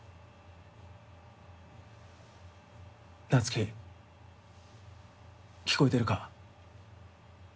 夏希聞こえてるか？